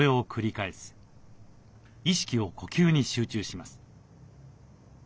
意識を呼吸に集中します。